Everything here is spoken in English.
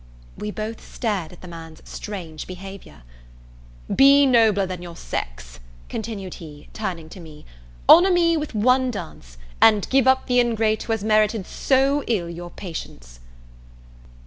We both stared at the man's strange behaviour. "Be nobler than your sex," continued he, turning to me, "honour me with one dance, and give up the ingrate who has merited so ill your patience."